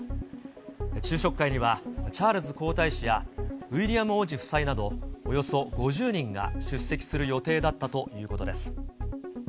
昼食会にはチャールズ皇太子やウィリアム王子夫妻など、およそ５０人が出席する予定だったということです。